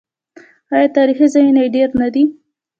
آیا تاریخي ځایونه یې ډیر نه دي؟